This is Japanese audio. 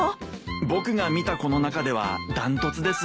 僕が見た子の中ではダントツです。